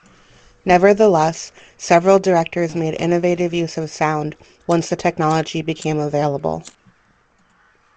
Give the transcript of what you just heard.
Nevertheless, several directors made innovative use of sound once the technology became available.